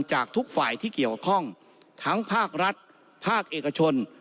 จากทุกฝ่ายที่เกี่ยวข้องทั้งภาครัฐภาคเอกชน